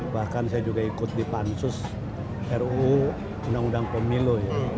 bahkan saya juga ikut di pansus ruu undang undang pemilu